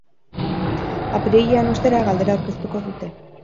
Apirilean, ostera, galdera aurkeztuko dute.